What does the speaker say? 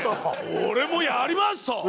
俺も「やります！」と。